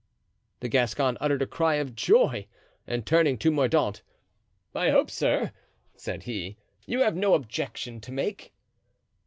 The Gascon uttered a cry of joy and turning to Mordaunt: "I hope, sir," said he, "you have no objection to make."